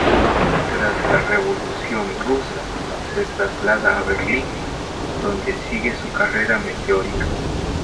Tras la Revolución rusa se traslada a Berlín, donde sigue su carrera meteórica.